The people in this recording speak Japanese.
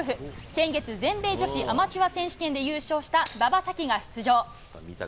先月、全米女子アマチュア選手権で優勝した馬場咲希が出場。